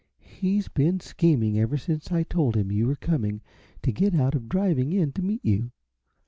He's been scheming, ever since I told him you were coming, to get out of driving in to meet you.